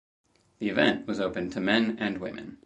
The event was open to men and women.